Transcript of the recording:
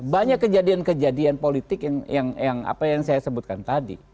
banyak kejadian kejadian politik yang apa yang saya sebutkan tadi